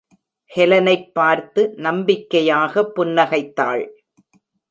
ஹெலனைப் பார்த்து, நம்பிக்கையாக புன்னகைத்தாள்